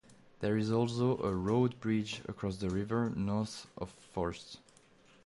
There is also a road bridge across the river north of Forst.